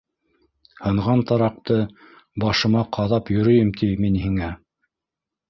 Һынған тараҡты башыма ҡаҙап йөрөйөм ти мин һиңә!